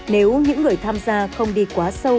nếu những người tham gia không đi quá sâu